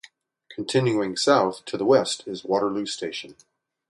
Continuing south, to the west is Waterloo station.